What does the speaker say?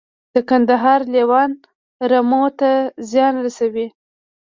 د کندهار لیوان رمو ته زیان رسوي؟